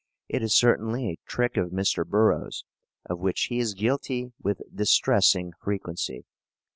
It is certainly a trick of Mr. Burroughs, of which he is guilty with distressing frequency.